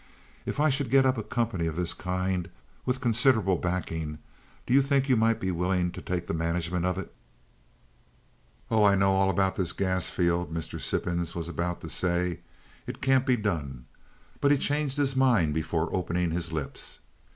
If I should get up a company of this kind, with considerable backing, do you think you might be willing to take the management of it?" "Oh, I know all about this gas field," Mr. Sippens was about to say. "It can't be done." But he changed his mind before opening his lips.